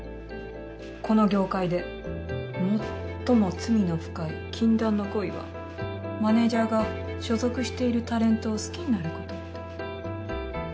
この業界でもっとも罪の深い禁断の恋はマネージャーが所属しているタレントを好きになることって。